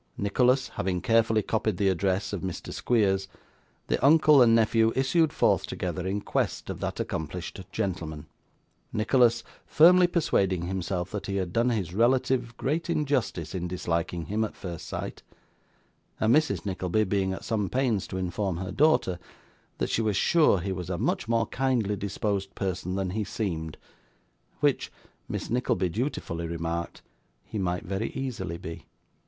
Nicholas, having carefully copied the address of Mr. Squeers, the uncle and nephew issued forth together in quest of that accomplished gentleman; Nicholas firmly persuading himself that he had done his relative great injustice in disliking him at first sight; and Mrs. Nickleby being at some pains to inform her daughter that she was sure he was a much more kindly disposed person than he seemed; which, Miss Nickleby dutifully remarked, he might very easily be.